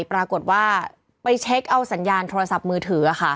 ปรากฏว่าไปเช็คเอาสัญญาณโทรศัพท์มือถือ